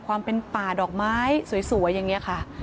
ความเป็นป่าดอกไม้สวยอย่างนี้ค่ะ